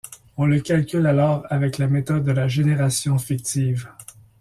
On le calcule alors avec la méthode de la génération fictive.